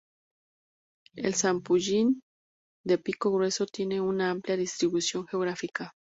El zampullín de pico grueso tiene una amplia distribución geográfica.